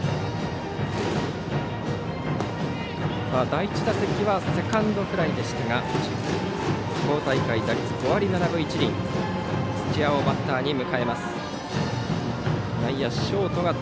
第１打席はセカンドフライでしたが地方大会、打率５割７分１厘の土屋をバッターに迎えます。